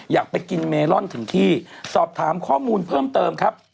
อยากไปกินเมลอนถึงที่สอบถามข้อมูลเพิ่มเติมครับ